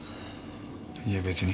いえ別に。